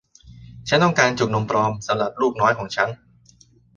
ฉันต้องการจุกนมปลอมสำหรับลูกน้อยของฉัน